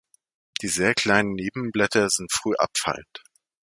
Die sehr kleinen Nebenblätter sind früh abfallend.